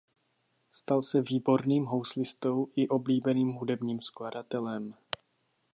Stal se výborným houslistou i oblíbeným hudebním skladatelem.